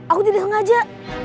aku tidak sengaja